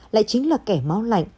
lại chính là kẻ máu lạnh